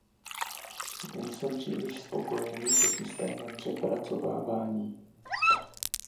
Nejsem příliš spokojený se systémem přepracovávání.